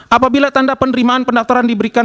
apabila tanda penerimaan pendaftaran diberikan